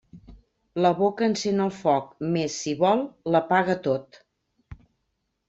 La boca encén el foc, mes, si vol, l'apaga tot.